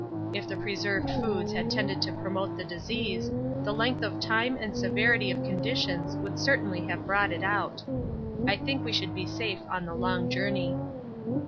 If the preserved foods had tended to promote the disease, the length of time and severity of conditions would certainly have brought it out. I think we should be safe on the long journey.